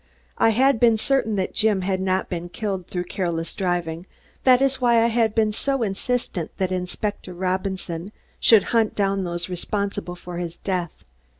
I had been certain that Jim had not been killed through careless driving, that is why I had been so insistent that Inspector Robinson should hunt down those responsible for his death.